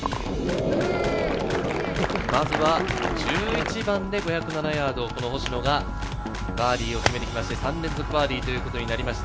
まずは１１番で５０７ヤード、星野がバーディーを決めてきまして、３連続バーディーとなりました。